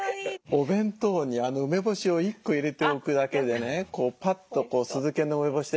お弁当に梅干し１個入れておくだけでねこうパッと酢漬けの梅干しでしょう。